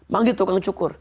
manggil tukang cukur